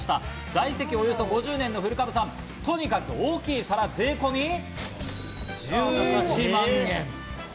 在籍およそ５０年の古株さん、とにかく大きい皿、税込み１１万円。